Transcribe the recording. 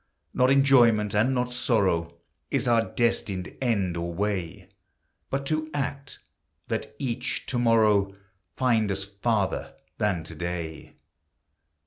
Not enjoyment, and not sorrow, Is our destined end or way; But to act, that each to morrow Find us farther than to day.